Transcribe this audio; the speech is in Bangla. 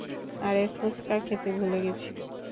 আরে, ফুসকা খেতে ভুলে গেছি।